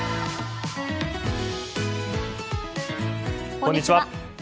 こんにちは。